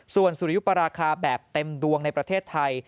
ส่วนสุริยุปราคาแบบเต็มดวงในประเทศไทย